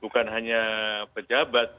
bukan hanya pejabat ya